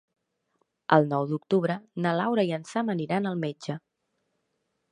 El nou d'octubre na Laura i en Sam aniran al metge.